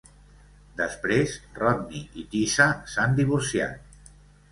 Després, Rodney i Tisa s'han divorciat.